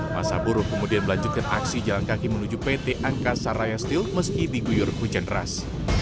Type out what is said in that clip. masa buruh kemudian melanjutkan aksi jalan kaki menuju pt angkasa raya steel meski diguyur hujan ras